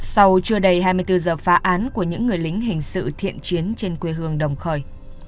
sau chưa đầy hai mươi bốn giờ phá án của những người lính hình sự thiện chiến trên quê hương đồng khởi